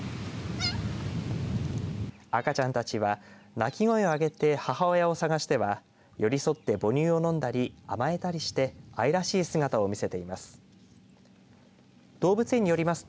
赤ちゃんたちは鳴き声を上げて母親を探しては寄り添って、母乳を飲んだり甘えたりして愛らしい姿を見せています。